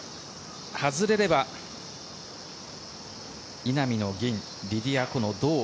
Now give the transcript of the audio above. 外れれば稲見の銀リディア・コの銅。